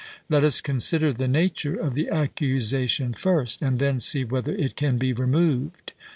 Let us consider the nature of the accusation first, and then see whether it can be removed.